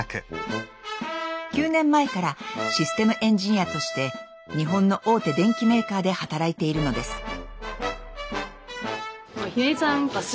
９年前からシステムエンジニアとして日本の大手電機メーカーで働いているのです。